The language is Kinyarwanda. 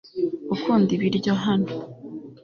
ukunda ibiryo hano